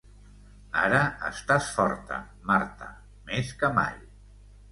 Ara estàs forta, Marta, més que mai.